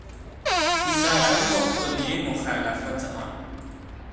بوقلمون با کلیهی مخلفات آن